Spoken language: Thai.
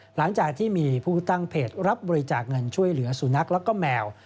หลังจากที่มีผู้ตั้งเพจรับบริจาคเงินช่วยเหลือสุนัขแล้วก็แมว